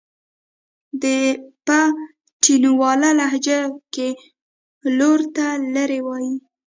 په تڼيواله لهجه کې لور ته لير وايي.